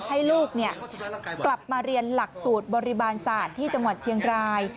ให้ลูกกลับมาเรียนหลักสูตรบริบาลศาสตร์ที่จังหวัดเชียงราย